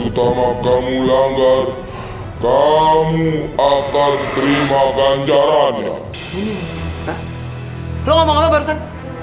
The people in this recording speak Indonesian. utama kamu langgar kamu akan terima ganjarannya ini lo ngomong apa barusan